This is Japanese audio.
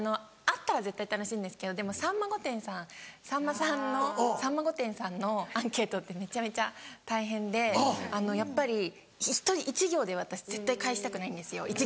あったら絶対楽しいんですけどでも『さんま御殿‼』さんさんまさん『さんま御殿‼』さんのアンケートってめちゃめちゃ大変であのやっぱり１行では私絶対返したくないんですよ。